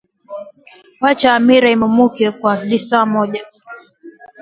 wacha hamira imumuke kwa lisaa limoja